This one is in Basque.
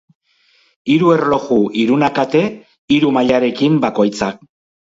Hiru erloju, hiruna kate, hiru mailarekin bakoitza.